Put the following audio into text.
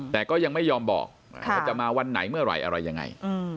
แต่ก็ยังไม่ยอมบอกว่าจะมาวันไหนเมื่อไหร่อะไรยังไง